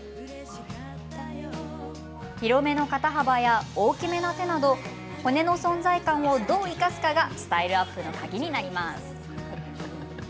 広めの肩幅や大きめの手など骨の存在感をどう生かすかがスタイルアップの鍵になります。